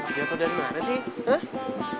jatuh dari mana sih